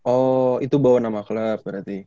oh itu bawa nama klub berarti